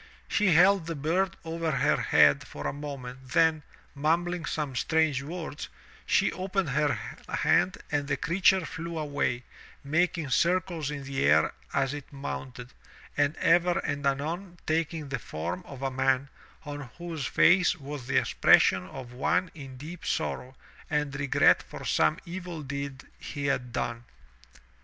She held the bird over her head for a moment, then, mumbling some strange words, she opened her hand and the creature flew away, making circles in the air as it mounted, and ever and anon taking the form of a man on whose face was the expression of one in deep sorrow and regret for some evil deed he had done.